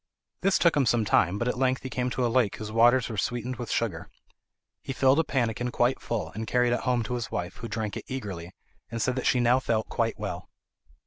This took him some time, but at length he came to a lake whose waters were sweetened with sugar. He filled a pannikin quite full, and carried it home to his wife, who drank it eagerly, and said that she now felt quite well.